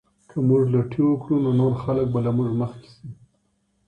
که موږ لټي وکړو نو نور خلګ به له موږ مخکې سي.